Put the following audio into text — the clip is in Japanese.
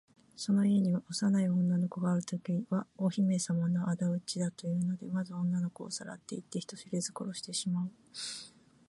その家に幼い女の子があるときは、お姫さまのあだ討ちだというので、まず女の子をさらっていって、人知れず殺してしまう。